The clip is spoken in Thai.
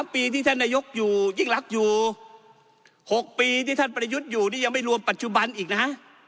ปีที่ท่านนายกอยู่ยิ่งรักอยู่๖ปีที่ท่านประยุทธ์อยู่นี่ยังไม่รวมปัจจุบันอีกนะ